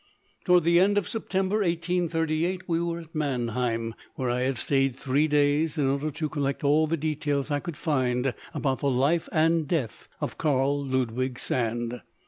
Toward the end of September, 1838, we were at Mannheim, where I had stayed three days in order to collect all the details I could find about the life and death of Karl Ludwig Sand.